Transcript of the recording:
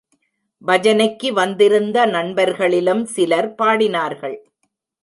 பஜனைக்கு வந்திருந்த நண்பர்களிலும் சிலர் பாடினார்கள்.